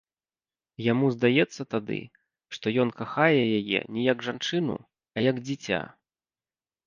Яму здаецца тады, што ён кахае яе не як жанчыну, а як дзіця.